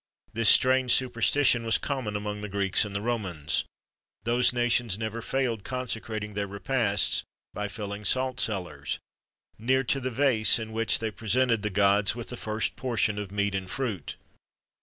This strange superstition was common among the Greeks and Romans.[XXIII 5] Those nations never failed consecrating their repasts by filling salt cellars, near to the vase in which they presented the gods with the first portion of meat and fruit.